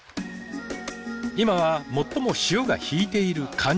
今は最も潮が引いている干潮。